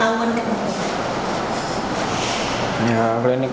bisa sampai selama itu seperti apa sih mas